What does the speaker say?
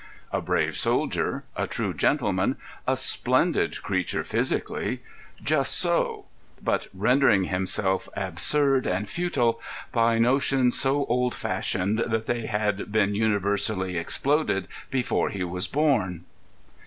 A brave soldier, a true gentleman, a splendid creature physically—just so, but rendering himself absurd and futile by notions so old fashioned that they had been universally exploded before he was born.